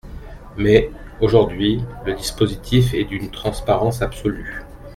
Mais, aujourd’hui, le dispositif est d’une transparence absolue.